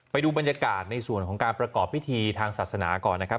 ไปดูบรรยากาศในส่วนของการประกอบพิธีทางศาสนาก่อนนะครับ